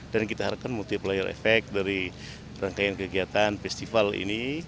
dan kita harapkan multi player effect dari rangkaian kegiatan festival ini